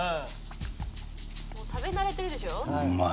「もう食べ慣れてるでしょ」